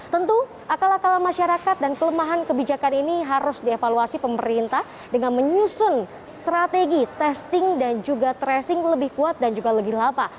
tentu akal akalan masyarakat dan kelemahan kebijakan ini harus dievaluasi pemerintah dengan menyusun strategi testing dan juga tracing lebih kuat dan juga lebih lapa